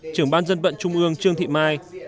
trưởng ban dân vận trung ương trương thị mai